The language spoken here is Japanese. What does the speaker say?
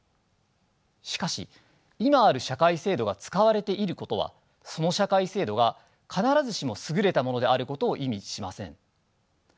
しかし今ある社会制度が使われていることはその社会制度が必ずしも優れたものであることを意味しません。